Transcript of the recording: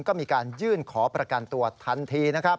ก็มีการยื่นขอประกันตัวทันทีนะครับ